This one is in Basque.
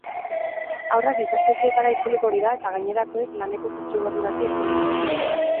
Haurrak ikastetxeetara itzuli dira eta gainerakoek laneko kurtso berri bati ekin diote.